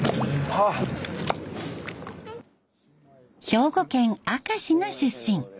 兵庫県明石の出身。